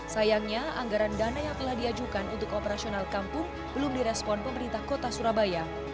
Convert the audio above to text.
sayangnya anggaran dana yang telah diajukan untuk operasional kampung belum direspon pemerintah kota surabaya